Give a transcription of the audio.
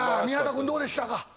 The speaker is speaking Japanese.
宮田くんどうでしたか？